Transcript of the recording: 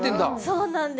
そうなんです。